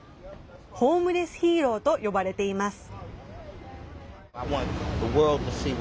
ホームレスヒーローと呼ばれています。